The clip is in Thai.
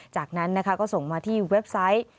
จากนั้นส่งมาที่เว็บไซต์